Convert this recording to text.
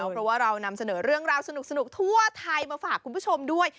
เพราะว่าเรานำเสนอเรื่องราวสนุกทั่วไทยมาฝากคุณผู้ชมด้วย